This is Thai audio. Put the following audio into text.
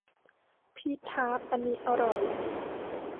พีชทาร์ตอันนี้อร่อย